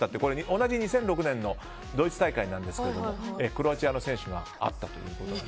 同じ２００６年のドイツ大会なんですけどクロアチアの選手があったということなんです。